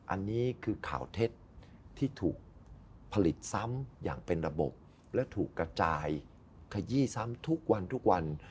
อันนี้คือข่าวเท็จที่ถูกผลิตซ้ำอย่างเป็นระบบและถูกกระจายขยี้ซ้ำทุกวันทุกวัน